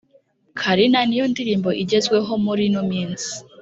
carina niyo ndirimbo igezweho muri ino minsi